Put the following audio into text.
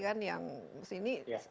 kan yang disini